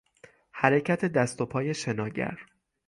حرکت دست و پای شناگر